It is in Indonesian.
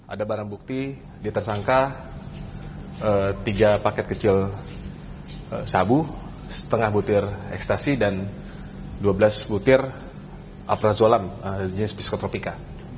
ada barang bukti di tersangka tiga paket kecil sabu setengah butir ekstasi dan dua belas butir aprazolam jenis psikotropika